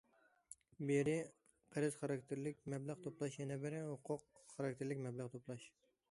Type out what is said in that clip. بىرى قەرز خاراكتېرلىك مەبلەغ توپلاش، يەنە بىرى ھوقۇق خاراكتېرلىك مەبلەغ توپلاش.